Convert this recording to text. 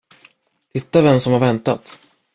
Titta vem som har väntat.